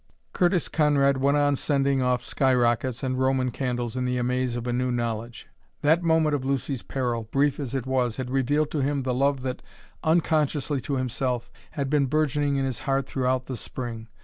Curtis Conrad went on sending off sky rockets and Roman candles in the amaze of a new knowledge. That moment of Lucy's peril, brief as it was, had revealed to him the love that, unconsciously to himself, had been bourgeoning in his heart throughout the Spring.